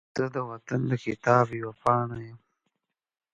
زه د وطن د کتاب یوه پاڼه یم